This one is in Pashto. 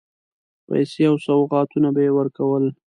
پیسې او سوغاتونه به یې ورکول.